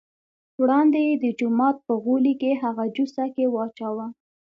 وړاندې یې د جومات په غولي کې هغه جوسه کې واچوه.